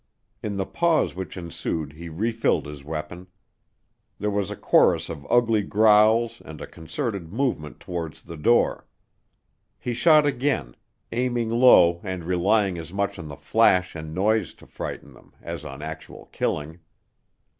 In the pause which ensued he refilled his weapon. There was a chorus of ugly growls and a concerted movement towards the door. He shot again, aiming low and relying as much on the flash and noise to frighten them as on actual killing.